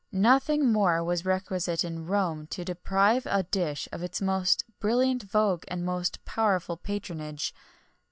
Nothing more was requisite in Rome to deprive a dish of its most brilliant vogue and most powerful patronage.